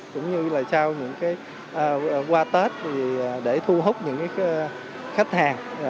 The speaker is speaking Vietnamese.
cũng như là qua tết để thu hút những khách hàng